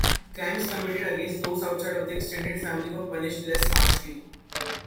Crimes committed against those outside of the extended family were punished less harshly.